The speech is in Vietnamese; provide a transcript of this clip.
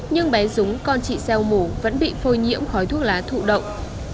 nhưng bé dũng con chị seo mủ vẫn bị phôi nhiễm khói thuốc lá thụ động